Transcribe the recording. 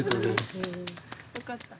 よかった。